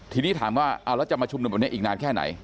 ทีนี้ถามว่าเอาแล้วจะมาชุมนุมวันนี้อีกนานแค่ไหน